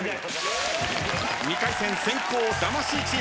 ２回戦先攻魂チームです。